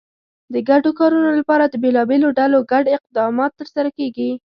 د ګډو کارونو لپاره د بېلابېلو ډلو ګډ اقدامات ترسره کېږي.